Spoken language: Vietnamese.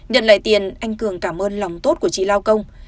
nhận lại tiền anh cường cảm ơn lòng tốt của chị lao công